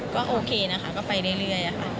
ก็โอเคนะคะก็ไปเรื่อยค่ะ